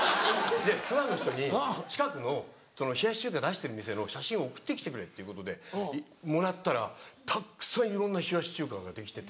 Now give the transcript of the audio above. ファンの人に近くの冷やし中華出してる店の写真を送ってきてくれっていうことでもらったらたっくさんいろんな冷やし中華ができてて。